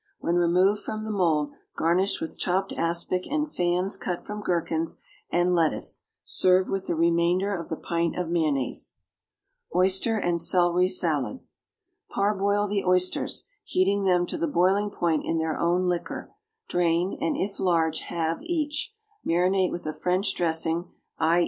When removed from the mould, garnish with chopped aspic and fans cut from gherkins and lettuce. Serve with the remainder of the pint of mayonnaise. =Oyster and Celery Salad.= Parboil the oysters (heating them to the boiling point in their own liquor), drain, and, if large, halve each; marinate with a French dressing (_i.